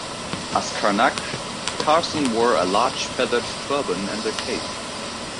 As Carnac, Carson wore a large feathered turban and a cape.